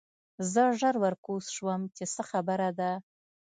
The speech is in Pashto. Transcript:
زه ژر ورکوز شوم چې څه خبره ده